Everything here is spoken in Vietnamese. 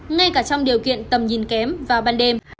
ngay cả trong điều kiện tầm nhìn kém vào ban đêm